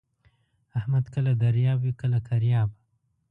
احمد کله دریاب وي کله کریاب.